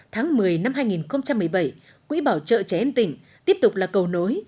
tháng một mươi năm hai nghìn một mươi bảy quỹ bảo trợ trẻ em tỉnh tiếp tục là cầu nối